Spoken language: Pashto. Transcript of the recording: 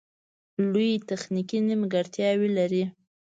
لویې تخنیکې نیمګړتیاوې لري